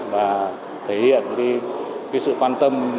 và thể hiện cái sự quan tâm